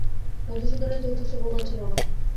মধুসূদনের ধৈর্য সবুর মানছিল না।